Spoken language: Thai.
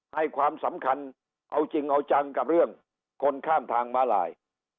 ให้ความสำคัญเอาจริงเอาจังกับเรื่องคนข้ามทางมาลาย